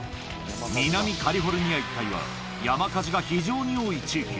南カリフォルニア一帯は、山火事が非常に多い地域。